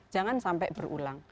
jangan sampai berulang